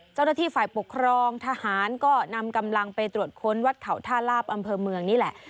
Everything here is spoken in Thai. เจ้าหน้าที่ฝ่ายปกครองทหารก็นำกำลังไปตรวจค้นวัดเขาท่าลาบอำเภอเมืองนี่แหละ